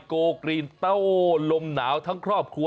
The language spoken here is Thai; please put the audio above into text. โกกรีนเต้าลมหนาวทั้งครอบครัว